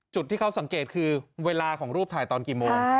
จุดที่เขาสังเกตคือเวลาของรูปถ่ายตอนกี่โมง